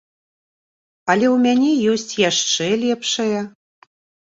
Але ў мяне ёсць яшчэ лепшая.